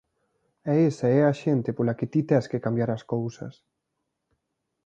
E esa é a xente pola que ti tes que cambiar as cousas.